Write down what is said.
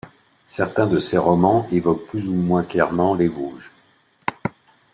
Certains de ses romans évoquent plus ou moins clairement les Vosges.